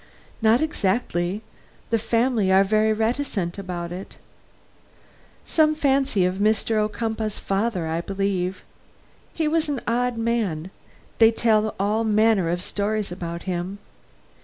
"Not exactly. The family are very reticent about it. Some fancy of Mr. Ocumpaugh's father, I believe. He was an odd man; they tell all manner of stories about him.